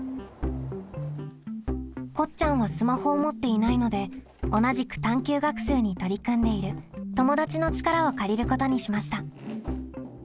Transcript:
こっちゃんはスマホを持っていないので同じく探究学習に取り組んでいる友だちの力を借りることにしました。